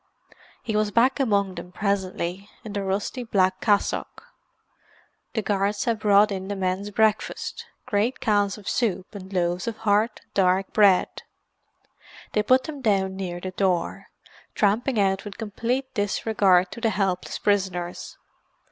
He was back among them, presently, in the rusty black cassock. The guards had brought in the men's breakfast—great cans of soup and loaves of hard, dark bread. They put them down near the door, tramping out with complete disregard of the helpless prisoners.